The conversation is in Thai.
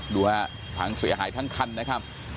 ดูฮะพังเสียหายทั้งคันนะครับ